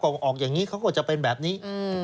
ออกอย่างนี้เขาก็จะเป็นแบบนี้